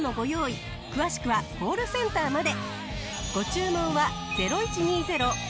詳しくはコールセンターまで。